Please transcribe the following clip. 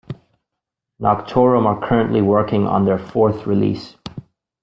Noctorum are currently working on their fourth release.